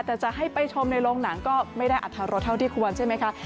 แต่จะให้ไปชมในโรงหนังก็ไม่ได้อัธรรสเท่าที่ควรใช่ไหมคะ